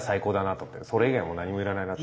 それ以外はもう何もいらないなって。